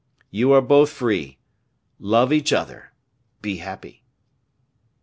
You are both free, love each other, be happy!"